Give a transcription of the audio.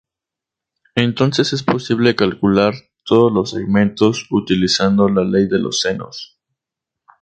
Entonces es posible calcular todos los segmentos utilizando la ley de los senos.